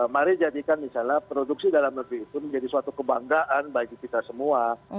mari jadikan misalnya produksi dalam negeri itu menjadi suatu kebanggaan bagi kita semua